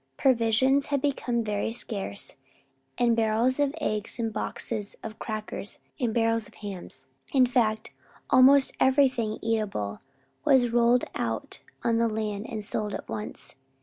Provisions had become very scarce and barrels of eggs and boxes of crackers and barrels of hams, in fact almost everything eatable was rolled out on the land and sold at once.